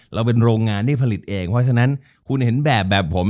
เราเป็นโรงงานที่ผลิตเองเพราะฉะนั้นคุณเห็นแบบแบบผม